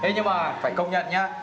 nhưng mà phải công nhận nhé